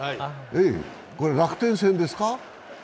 これ、楽天戦ですか。